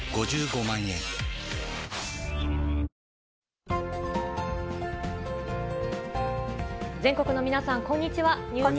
藤原君、全国の皆さん、こんにちは。